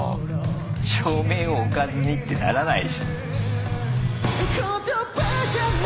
照明をおかずにってならないっしょ。